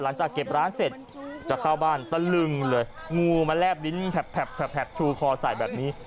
หลังจากเก็บร้านเสร็จจะเข้าบ้านตะลึงเลยงูมาแลบลิ้นแบบชูคอใส่แบบนี้